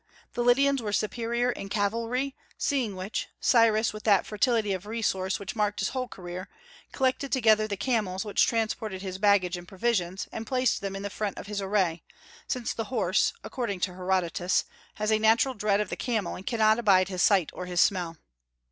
The Lydians were superior in cavalry; seeing which, Cyrus, with that fertility of resource which marked his whole career, collected together the camels which transported his baggage and provisions, and placed them in the front of his array, since the horse, according to Herodotus, has a natural dread of the camel and cannot abide his sight or his smell.